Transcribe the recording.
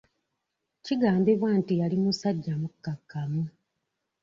Kigambibwa nti yali musajja mukkakkamu.